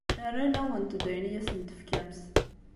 Rran-awent-d ayen i asen-tefkamt.